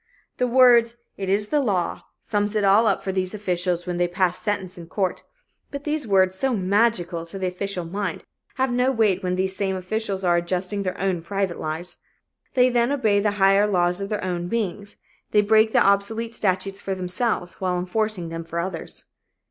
The words "It is the law" sums it all up for these officials when they pass sentence in court. But these words, so magical to the official mind, have no weight when these same officials are adjusting their own private lives. They then obey the higher laws of their own beings they break the obsolete statutes for themselves while enforcing them for others.